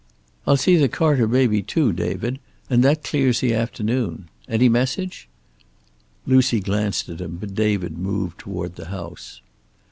"I'll see the Carter baby, too, David, and that clears the afternoon. Any message?" Lucy glanced at him, but David moved toward the house.